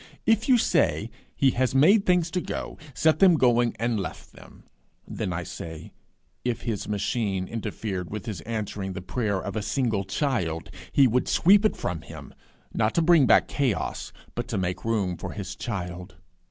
If you say, he has made things to go, set them going, and left them then I say, If his machine interfered with his answering the prayer of a single child, he would sweep it from him not to bring back chaos, but to make room for his child.